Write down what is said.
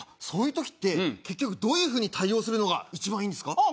そういう時って結局どういう風に対応するのが一番いいんですか？